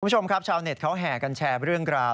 คุณผู้ชมครับชาวเน็ตเขาแห่กันแชร์เรื่องราว